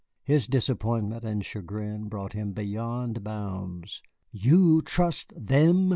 His disappointment and chagrin brought him beyond bounds. "You trust them!"